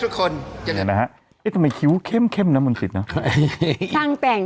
ทุกคนเดี๋ยวนะฮะเอ๊ะทำไมคิ้วเข้มเข้มนะบนสิทธิ์เนอะช่างแต่ง